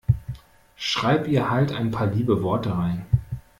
Schreib ihr halt ein paar liebe Worte rein.